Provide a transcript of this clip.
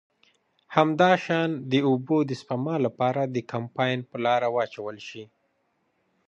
همداشان د اوبو د سپما له پاره د کمپاین پر لاره واچول شي.